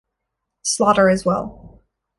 Slaughter as well.